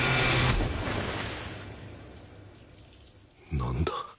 何だ？